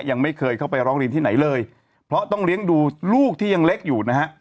ยังไม่เคยเข้าไปร้องเรียนที่ไหนเลยเพราะต้องเลี้ยงดูลูกที่ยังเล็กอยู่นะฮะ